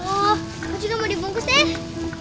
oh aku juga mau dibungkus deh